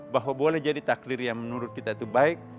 bahwa boleh jadi takdir yang menurut kita itu baik